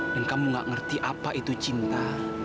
dan kamu gak ngerti apa itu cinta